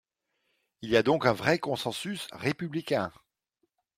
Il y a donc un vrai consensus républicain.